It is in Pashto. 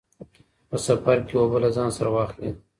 په سفر کې اوبه له ځان سره واخلئ.